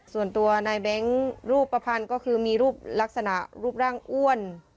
ส่วนตัวนายแบงค์รูปประพันธ์ก็คือมีรูปลักษณะรูปร่างอ้วน